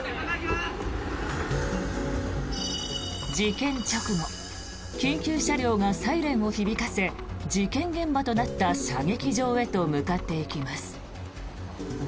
事件直後、緊急車両がサイレンを響かせ事件現場となった射撃場へと向かっていきます。